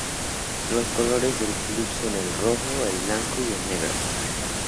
Los colores del club son el rojo, el blanco y el negro.